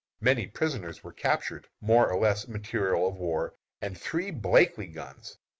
Many prisoners were captured, more or less material of war, and three Blakely guns.